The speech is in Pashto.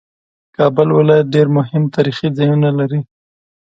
کابل ولایت ډېر مهم تاریخي ځایونه لري